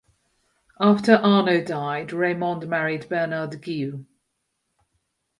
After Arnaud died, Raymonde married Bernard Guilhou.